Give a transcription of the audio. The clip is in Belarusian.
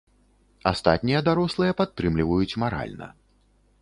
Астатнія дарослыя падтрымліваюць маральна.